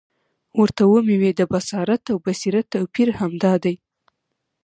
ورته ومي د بصارت او بصیرت توپیر همد دادی،